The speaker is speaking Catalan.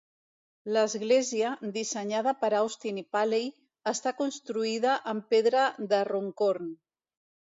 L'església, dissenyada per Austin i Paley, està construïda en pedra de Runcorn.